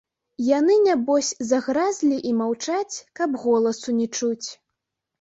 Яны нябось загразлі і маўчаць, каб голасу не чуць.